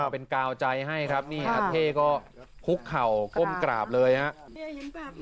เป็นกาวใจให้ครับนี่อาเท่ก็คุกเข่าก้มกราบเลยครับ